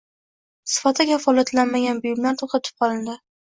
Sifati kafolatlanmagan buyumlar to‘xtatib qolindi